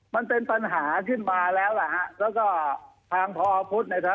มันเป็นปัญหาขึ้นมาแล้วแล้วฮะก็ทางพอหมอพุทธครับ